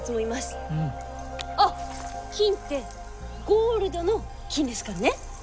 あっキンってゴールドの金ですからね。